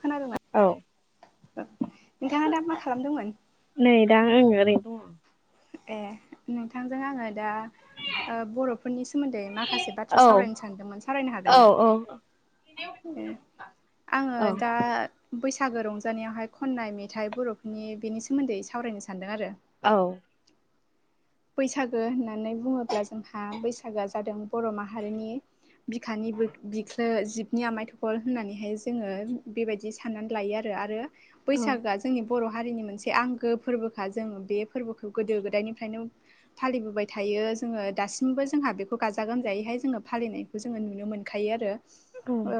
खोनादोंं ना? औ नोंथाङा दा मा खालामदोंमोन? नै दा आं ओरैनो दं ए नोंथांजों आङो दा ओ बर'फोरनि स सोमोन्दै माखासेाथ्रा औ सावरायनो सानदोंमोन सावरायनो औ हागोन ना? औ ए आङो औ दा बैसागो रंजानायावहाय खननाय मेथाइ बर'फोरनि बेनि सोमोन्दै सावरायनो सानदों आरो औ। बैसागो होननानै बुङोब्ला जोंहा बैसागोआ जादों बर' माहारिनि बिखानिबो बिक्लो जिबनि आमाइ थखल होननानैहाय जोङो बेबायदि साननानै लायो आरो आरो औ बैसागोआ जोंनि बर' हारिनि मोनसे आंगो फोरबोखा जों बे फोरबोखौ गोदो गोदायनिफ्रायनो फालिबोबाय थायो जोङो दासिमबो जोंहा बेखौ गाजा गोमजायैहाय जोङो फालिनायखौ जोङो नुनो मोनो मोनखायो आरो औ ओ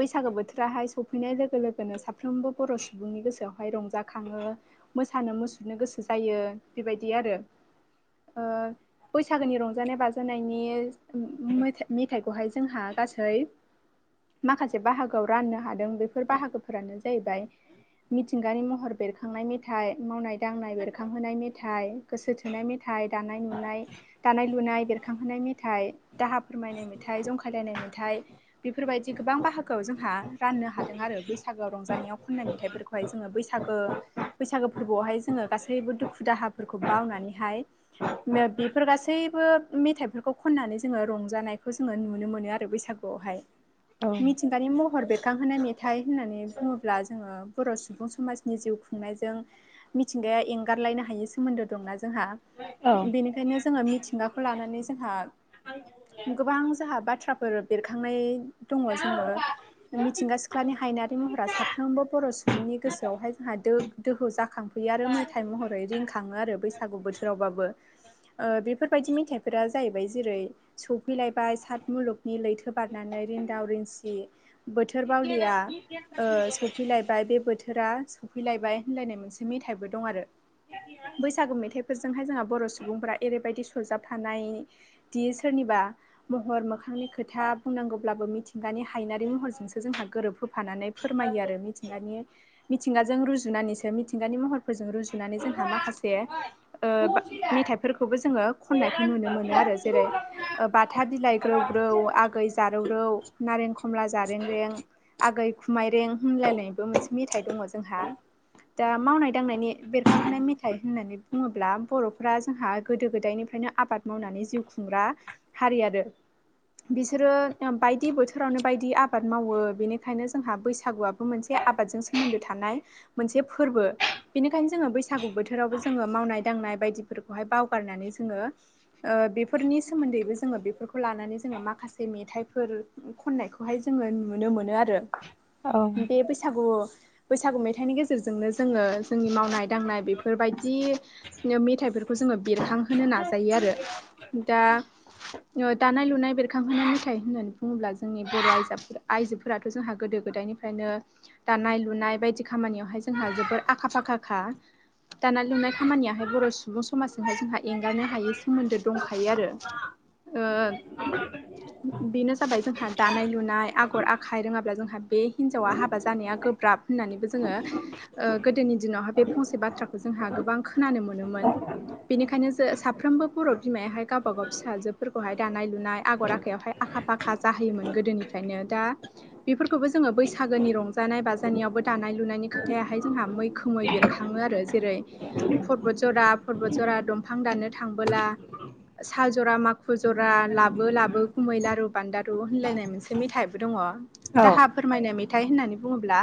बैसागो बोथोराहाय सफैनाय लोगो लोगोनो साफ्रोमबो बर' सुबुंनि गोसोआवहाय रंजाखङो मोसानो मुसुरनो गोसो जायो बेबायदि आरो ओ बैसागोनि रंजानाय बाजानायनि मेथा मेथाइखौहाय जोंहा गासै माखासे बाहागोआव राननो हादों बेफोर बाहागोफोरानो जाहैबाय मिथिंगानि महर बेरखांनाय मेथाइ मावनाय दांनाय बेरखांहोनाय मेथाइ गोसो थोनाय मेथाइ दानाय लुनाय दानाय लुनाय बेरखांहोनाय मेथाइ दाहा फोरमायनाय मेथाइ जंखायलायनाय मेथाइ फथ बेफोरबायदि गोबां बाहागोआव जोंहा राननो ह हादों आरो बैसागोआव रंजानायाव खननाय मेथाइफोरखौहाय जोङो बैसागो बैसागो फोरबोआवहाय जोङो गासै बेबो दुखु दाहाबा फोरखौ बावनानै हाय बेफोर गासैबो मेथफोरखौ खनानै जोङो रंजानाय नायखौ जोङो नुनो मोन आरो बैसागुआवहाय औ मिथिंगानि महर बेरखांहोनाय मेथाइ होननानै बुङोब्ला जोङो बर' सुबुं समाजनि जिउ खुंनायजों मिथिंगाया एंगारलायनो हायै सोमोन्दो दंना जोंहा बेनिखायनो जोङो मिथिंगाखौ लानानै जोंहा गोबां जोंहा बाथ्राफोर बेरखांनाय दङ जोङो मिथिंगा सिख्लानि हायनारि महरा साफ्रोमबो बर' सुबुंनि गोसोआवहाय जोंहा दोहो जाखांफैयो आरो मेथाइ महरै रिंखा थाङो आरो बैसागु बोथोरावबाबो ओ- बेफोरबायदि मेथाइफोरा जाहैबाय जेरै बिैलायबाय सात मुलुगनि लैथो बारनानै रिन्दाव रिंसि बोथोर बावलिया सफैलायबाय बे बोथोरा सफैलायबाय होनलायनाय मोनसे मेथाइबो दं आरो बैसागु मेथाइफोरजोंहाय जोंहा बर' सुबुंफोरा ओरैबायदि सरजाब थानाय दि सोरनिबा महर मोखांनि खोथा बुंनांगौब्लाबो मिथि मिथिंगानि हायनारि महरजोंसो जोंहा गोरोब होफानानै फोरमायो आरो मिथिंगानि मिथिंगाजों रुजुनानैसो मिथिंगानि महरफोरजों रुजुनानै जोंहा मा मेथाइफोरखौबो जोङो खननायखौ नुनो मोनो आरो जेरै बाथा बिलाइ ग्रौ ग्रौ आगै जारौरौ नारें खमला जारें रें आगै खुमायरें होनलायनायबो मोनसे मेथाइ दङ जोंहा दा मावनाय दांनायनि बेरखांहोनाय फाय होननानै बुङोब्ला बर'फोरा जोंहा गोदो गोदायनिफ्रायनो आबाद मावनानै जिउ खुंग्रा हारि आरो बिसोरो बायदि बोथोरावनो बायदि आबाद मावो बेनिखायनो जोंहा बैसागुआबो मोनसे आबादजों सोमोन्दो थानाय मोनसे फोरबो बेनिखायनो जोङो बैसागु बोथोर बोथोरावबो जोङो मावनाय दांनाय बायदिफोरखौहाय बावगारनानै जोङो बेफोरनि सोमोन्दैबो जोङो जोङो बेफोरखौ लानानै जोङो माखासे मेथाइफोर खननायखौहाय जोङो नुनो मोनो आरो। औ बे बैसागु बैसागु मेथाइनि गेजेरजोंनो जोङो जोंनि मावनाय दांनाय बेफोर दि नो मेथाइफोरखौ जोङो बेरखांहोनो नाजायो आरो दा ओ दानाय लुनाय बेरखांहोनाय मेथाइ होननानै बुङोब्ला जोंनि बर' आइजाफोरा आइजोफोराथ' जोंहा गोदो गोदायनि निफ्रायनो दानाय लुनाय बायदि खामानियावहाय जोंहा जोबोर आखा फाखाखा दानाय लुनाय खामानियाहाय बर' सुबुं समाजजोंहाय जोंहा एंगारनो हायै सोमोन्दो दंखायो आरो। ओद बेनो जाबाय जोंहा दानाय लुनाय आगर आखाइ रोङाब्ला जोंहा बे हिन्जावा हाबा जानाया गोब्राब होननानैबो जोङो ओ गोदोनि दिनावहाय बे फंसे बाथ्रा जोंहा गोबां खोनानो मोनोमोन। बेनिखायनो जो साफ्रोमबो बर' बिमायाहाय गावबा गाव फिसाजोफोरखौहाय दानाय लुनाय आगर आखाइायावहाय आ आखाखा फाखा जाहोयोमोन गोदोनिफ्रायनो दा बेफोरखौबो जोङो बैसागोनि रंजानाय बाजानायावबो दा दानाय लुनायनि खोथायाहाय जोंहा मैखोमै बेरखाङो आरो जेरै परबत जरा परबत जरा दंफां दाननो थांबोला साल जरा माखु जरा लाबो लाबो खुमै लारु बान्दारु होनलायनाय मोनसे मेथाइबो दङ। दाहा फोरमायनाय मे थाइ होननानै बुङोब्ला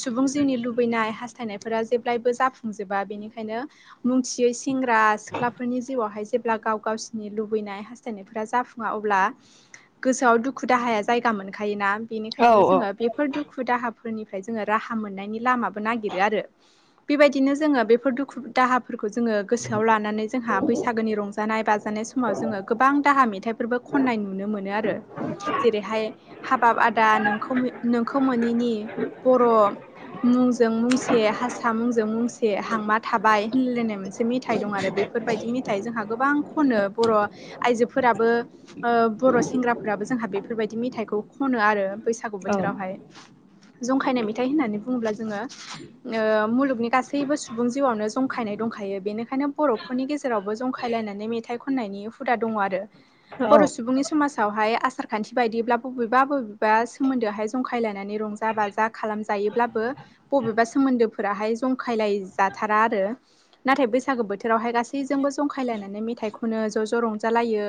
सुबुं जिउनि लुबैनाय हास्थायनायफोरा जेब्लबो जाफुं बुंजोबा बेनिखायनो मुंथियै सेंग्रा सिख्लाफोरनि जिउआवहाय जेब्ला गाव गावसिनि लुबै नाय हास्नायफोरा जाफुङा अब्ला गोसोआव दुखु दाहाया जायगा मोनखायोना। औ बेनिखायनो औ जोङो बेफोर दुखु दाहाफोरनिफ्राय जोङो राहा मोननायनि लामाबो नागिरो‌ आरो बेबायदि नो जोङो बेफोर दुखु दाहाफोरखौ जोङो गोसोआव लानानै जोंहा बैसागोनि रंजानाय बाजानाय समाव जोङो गोबां दाहा मेथाइफोरबो खनाय नुनो मोनो आरो जेरैहाय हाबाब आदा नोखौ‌ मो नोंखौ मोनैनि बर' मुंजों मुंसे हारसा मुंजों मुंसे से हांमा थाबाय होनलायलायनाय मोनसे मेथाइ दं आरो बेफोरबायदि मेथाइ जोंहा गोबां खनो बर' आइजोफोराबो ओ बर' सेंग्राफोराबो जोंहा बेफोरबायदि मेथाइखौ खनो आरो बैसागु बोथोरावहाय जंखायनाय मेथाइ होननानै बुङोब्ला जोङो ओ मुलुगनि गासै गासैबो सुबुं जिउआवनो जंखायनाय दंखायो बेनिखायनो बर'फोरनि गेजेरावबो जंखायलायनानै मेथाइ खननायनि हुदा दङ आरो बर' सुबुंनि समास आवहाय आसार खान्थि बायदिब्ला बबेबा बबेबा सोमोन्दोआहाय जंखायलायनानै रंजा बाजा खालामजाय योब्लाबो बबेबा सोमोन्दो फोराहाय जं खायलाय जाथारा आरो नाथाय बैसागो बोथोरावहाय गासैजोंबो जंखायलायनानै मेथाय खनो ज ज' रंजालायो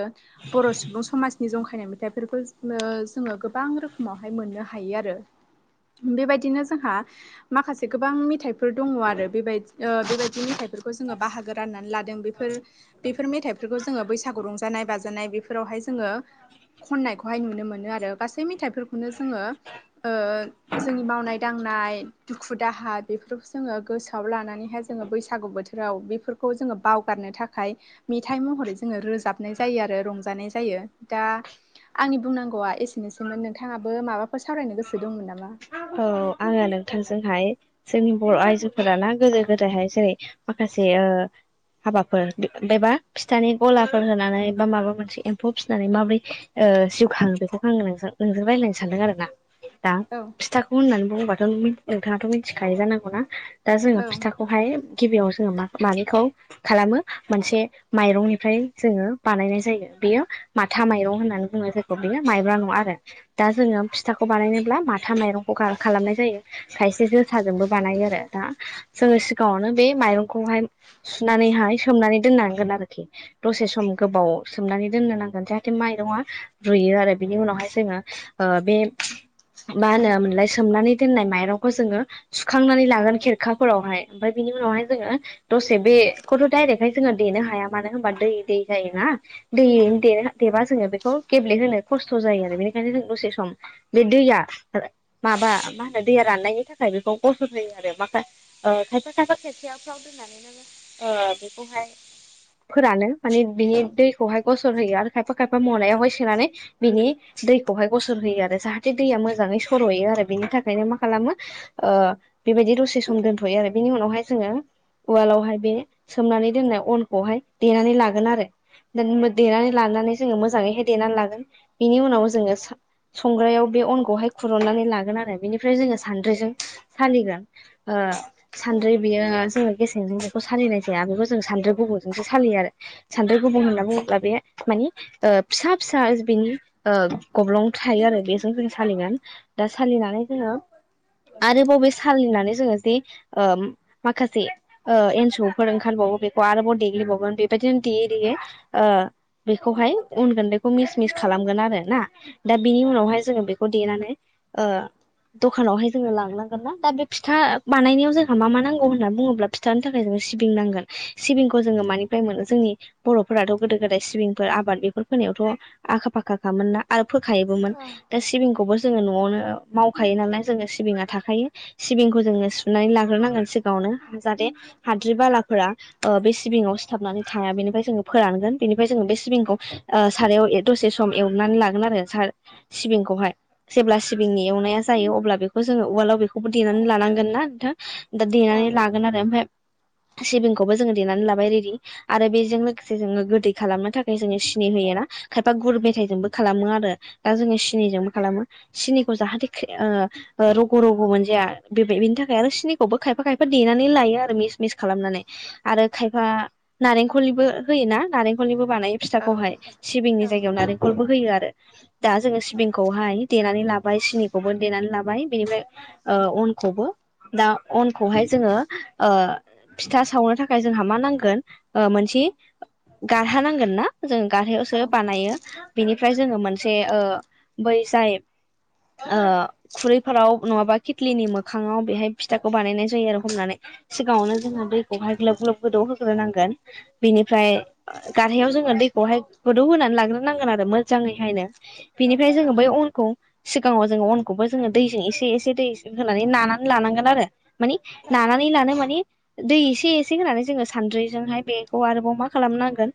बर' सुबुं समाजनि जंखायनाय मेथाइफोरखौ ङो जोङो गोबां रोखोमाव आवहाय मोननो हायो आरो बेबायदिनो जोंहा माखासे गोबां मेथायफोर दङ आरो बेबायदि ओ बेबायदि मेथाइफोरखौ जोङो बाहागो राननानै ला दों बेफोर बेफोर मेथाइफोरखौ जोङो बैसागु रंजानाय बाजानाय बेफोरावहाय जोङो खननायखौहाय नुनो मोनो आरो गासै मेथाइफोरखौनो जोङो ओ जोंनि मावनाय दां नाय दुखु दाहा बेफोरसो जोङो गोसोआव लानानैहाय जोङो बैसागु बोथोराव बेफोरखौ जोङो बावगारनो थाखाय मेथाइ मह महरै जोङो रोजाबनाय जायो आरो रंजानाय जायो दा आंनि बुंनांगौआ एसेनोसैमोन नोंथाङाबो माबाफोर सावरायनो गोसो दंमोन नामा? औ आङो नोंथांजोंहाय जोंनि बर' आइजोफोरा ना गोदो गोदायहाय जेरै माखासे ओ हाबाफोर बेबा फिथानि गलाफोर होनानै बा माबा मोनसे एम्फौ फिसिनानै माबोरै ओ ओ जिउ खांदोंमोन आं नोंजों नोंजों रायलायनो सानदों आरो ना। दा औ फिथाखौ होननानै बुंबाथ' नोंथाङाथ' मिथिखायो जानांगौना दा औ जोङो फिथाखौहाय गिबियाव जोङो मा-मानिखौ खालामो मोनसे माइरंनिफ्राय जोङो बानायनाय जायो। बेयो माथा माइरं होननानै बुङो जायखौ बेयो माइब्रा नङा आरो दा जोङो फिथाखौ बानायनोब्ला मा था माइरंखौ खा-खालामनाय जायो खायसे जोसाजोंबो बानायो आरो दा जोङो सिगाङावनो बे मायरंखौहाय सुनानैहाय सोमनानै दोननांगोन आरोखि दसे सम गोबाव सोमनानै दोन नोनांगोन जाहाथे माइरङा रुयो आरो बिनि उनावहाय जोङो ओ बे मा होनोमोनलाय सोमनानै दोननाय माइरंखौ जोङो सुखांनानै लागोन खेरखाफोरावहाय ओमफ्राय बिनि उनाव नावहाय जोङो दसे बे खौथ' दायरेगहाय जोङो देनो हाया मानो होनबा दै दै जायो ना दै दै दे-देबा जोङो बेखौ गेब्लेहोनो खस्थ' जायो आरो बेनिखायनो जों दसे सम बे दैया माबा मा होनो दैया राननायनि थाखाय बेखौ गसर होयो आरो माखा ओ खायफा खायफा खेबसे फ्राव दोननानैनो नों ओ बेखौहाय फोरानो माने बिनि दैखौहाय गसर होयो आरो खायफा खायफा मनायावहाय सोनानै बिनि दैखौहाय गसर होयो आरो जाहाथे दैया मो मोजाङै सर'यो आरो बिनि थाखायनो मा खालामो ओ बेबायदि दसे सम दोनथ'यो आरो बिनि उनावहाय जों ङो उवालावहाय बे सोमनानै दोननाय अनखौहाय देनानै लागोन आरो दोन मो देनानै लानानै जोङो मोजाङैहाय देनानै लागोन बेनि उनाव जोङो सा-संग्रायाव बे अनखौहाय खुरुननानै लागोन आरो बेनिफ्राय जोङो सान्द्रिजों सालिगोन ओ सान्द्रि बियो जों गेसेंजों बेखौ सालिनाय जाया बेखौ जों सानद्रि गुबुंजोंसो सालियो आरो सान्द्रि गुबुं होनना बुङोब्ला बे माने नि ओ फिसा फिसा बिनि ओ गब्लं थायो आरो बेजों जों सालिगोन दा सालिनानै जोङो आरोबा बे सालिनानै जोङो जे ओ माखासे ओ एन्सफोर ओंखारबावो बेखौ आरोबाव देग्लिबावगोन बेबायदिनो देयै देयै ओ बेखौहाय अन गुन्दैखौ मिस मिस खालामगोन आरो ना दा बिनि औ उनावहाय जोङो बेखौ देनानै ओ द'खानावहाय जोङो लांनांगोन ना दा बे फिथा बानायनायाव जोंहा मा मा नांगौ होनना बुङोब्ला फिथानि थाखाय जोङो सिबिं नांगोन सिबिंखौ जोङो मानिफ्राय मोनो जोंनि बर'फोराथ' गोदो गोदाय सिबिंफोर आबाद बेफोर फोनायावथ' आखा फाखाखामोन ना आरो फोखायबोमोना दा सिबिं खौ जोङो न'आवनो मावखायो नालाय जोङो सिबिंङा थाखायो सिबिंखौ जोङो सुनानै लाग्रोनांगोन सिगाङाव नो जाहाथे हाद्रि बालाफोरा बे सिबिङाव सिथाबनानै थाया बेनिफ्राय जोङो फोरानगोन बेनिफ्राय जों बे सिबिंखौ ओ सारायाव दसे सम एवनानै लागोन आरो सा-सिबिंखौहाय जेब्ला सिबिंनि एवनाया जायो अब्ला बेखौ जोङो उवालाव बेखौबो देनानै लानांगोन ना नोंथां। दा देनानै लागोन आरो ओमफाय [inaudible] सिबिंखौबो जोङो देनानै लाबाय रेडि आरो बेजों लोगोसे जोङो गोदै खालामनो थाखाय जोङो सिनि होयोना खायफा गुर मेथाइजोंबो खालामो आरो दा जोङो सिनिजोंबो खालामो सिनिखौ जाहाथे खे- ओ रग' रग' मोनजाया बे बेनि थाखाय आरो सिनिखौबो खायफा खायफा देनानै लायो आरो मिस मिस खालामनानै आरो खायफा नारेंखलनिबो होयो ना नारेंखलनिबो बानायो फिथाखौहाय सिबिंनि जायगायाव नारेंखलबो होयो आरो दा जोङो सिबिंखौहाय देनानै लाबाय सिनिखौबो देनानै लाबाय बेनिफ्राय ओ अनखौबो दा अनखौहाय जोङो ओ फिथा सावनो थाखाय जोंहा मा नांगोन ओ मोनसे नि गारहा नांगोन ना जों गारहायावसो बानायो बिनिफ्राय जोङो मोनसे ओ बै जाय [inaudible] ओ खुरैफोराव नङाबा खितलिनि मोखाङाव बेहाय फिथाखौ बानायनाय जायो आरो हमनानै सिगाङावनो जोङो दैखौहाय ग्लोब ग्लोब गोदौ होग्रोनांगोन बिनिफ्राय गारहायाव जोङो दै खौहाय गोदौ होनानै लाग्रोनांगोन आरो मोजाङैहायनो बेनिफ्राय जोङो बै अनखौ सिगाङाव जोङो अनखौबो जोङो दैजों एसे एसे दै होनानै नानानै लानांगोन आरो मानि नानानै लानो मानि दै एसे एसे होनानै जोङो सानद्रिजोंहाय बेखौ आरोबाव मा खालामनांगोन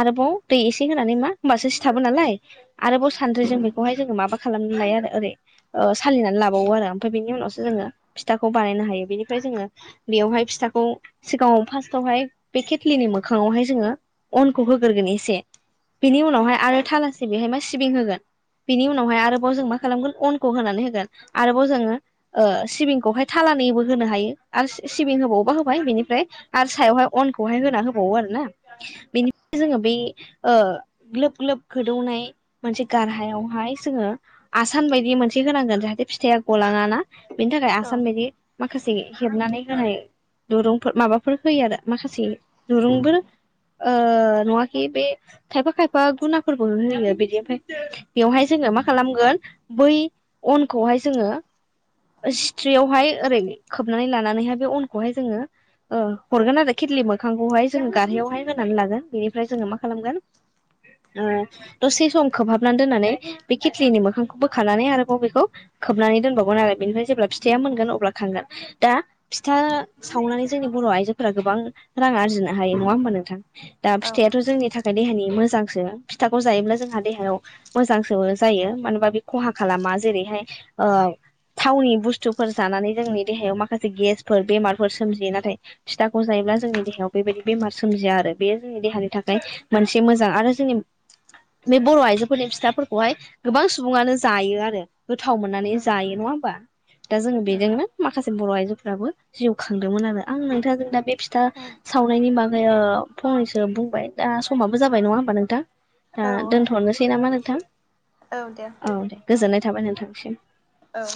आरोबाव दै एसे एसे होनानै मा होमबासो सिथाबो नालाय आरोबाव सानद्रिजों बेखौहाय जोङो माबा खालामनाय आरो ओरै सालिनानै लाबावो आरो ओमफ्राय बेनि उनावसो जोङो फिथाखौ बानायनो हायो बेनिफ्राय जोङो बेयावहाय फिथाखौ सिगाङाव फास्टावहाय बे केतलिनि मोखांआव हाय जोङो अ अनखौ होग्रोगोन एसे बिनि उनावहाय आरो थालासे बेहाय मा सिबिं होगोन बिनि उनावहाय आरो बाव जों मा खालामगोन अनखौ होनानै होगोन आरोबाव जोङो सिबिंखौहाय थाालानानैबो होनो हायो आरो सिबिं होबावोबा होबाय बेनिफ्राय आरो सायावहाय अनखौहाय होना होबावो आरो ना बेनि जोङो बे ओ ग्लोब ग्लोब गोदौनाय मोनसे गारहायावहाय जोङो आसान बायदि मोनसे होनांगोन जाहाथे फिथाआ गलाङा ना बिनि थाखाय औ आसाम बायदि माखासे हेबनानै होनाय दुरुंफोर माबाफोर होयो आरो माखासे दुरुंबो ओ नङाखि बे खायफा खायफा गुनाफोरबो होयो बिदि बेवहाय जोङो मा खालामगोन बै अनखौहाय जोङो सिथ्रियावहाय ओरै खोबनानै लानानैहाय बे अनखौहाय जोङो ओ हरगोन आरो खिथलि मोखांखौहाय जोङो गारहायावहाय होनानै लागोन बेनिफ्राय जोङो मा खालामगोन ओ दसे सम खोबहाबनानै दोननानै बे खेथलिनि मोखांखौ बोखानानै आरोबाव बेखौ खोबनानै दोनबावगोन आरो बेनिफ्राय जेब्ला फिथ फिथाया मोनगोन अब्ला खांगोन दा फिथा सावनानै जोंनि बर' आइजोफोरा गोबां रां आरजिनो हायो नङा होमबा नोंथां। दा औ फिथायाथ' जोंनि थाखाय देहानि मोजांसो फिथाखौ जायोब्ला जोंहा देहायाव मोजांसो जायो मानोबा बे खहा खालामा जेरैहाय ओ थावनि बुस्थुफोर जानानै जोंनि देहायाव माखासे गेसफोर बेमारफोर सोमजियो नाथाय फिथाखौ जायो ब्ला जोंनि देहायाव बेबायदि बेमार सोमजिया आरो बेयो जोंनि देहानि थाखाय मोनसे मोजां आरो जोंनि बे बर' आइजोफोरनि फिथाफोरखौहाय गोबां सुबुङानो जायो आरो गोथाव मोननानै जायो नङा होमबा दा जोङो बेजोंनो माखासे बर' आइजोफोराबो जिउ खांदोंमोन आरो आं नोंथांजों दा बे फि थां सावनायनि बागै फंनैसो बुंबाय दा समाबो जाबाय नङा होमबा नोंथां दा दोनथ'नोसै नामा नोंथां औ दे गोजोननाय थाबाय नोंथांसिम औ।